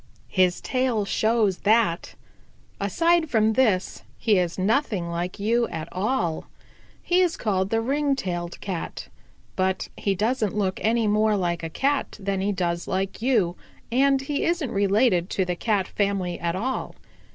"His tail shows that. Aside from this, he is nothing like you at all. He is called the Ring tailed Cat. But he doesn't look any more like a Cat than he does like you, and he isn't related to the Cat family at all.